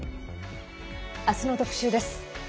あすの特集です。